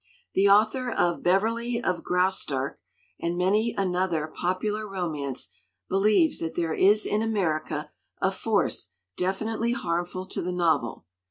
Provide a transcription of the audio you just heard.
The author of Beverly of Graustark and many another popular romance believes that there is in America a force definitely harmful to the novel.